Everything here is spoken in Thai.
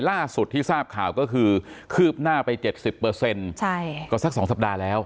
ล่าสุดที่ทราบข่าวก็คือคืบหน้าไป๗๐ก็สัก๒สัปดาห์แล้ว